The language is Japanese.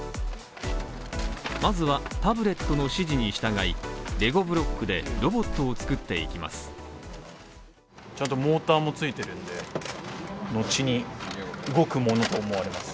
まずはタブレットの指示に従い、レゴブロックでロボットを作っていきます。